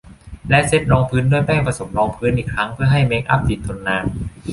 และเซตรองพื้นด้วยแป้งผสมรองพื้นอีกครั้งเพื่อให้เมคอัพติดทนนาน